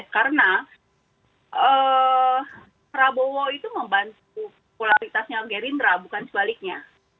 karena prabowo itu membantu popularitasnya gerindra bukan sebaliknya